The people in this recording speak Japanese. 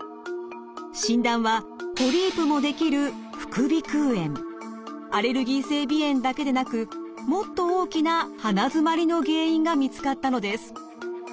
診断はポリープも出来るアレルギー性鼻炎だけでなくもっと大きな鼻づまりの原因が見つかったのです。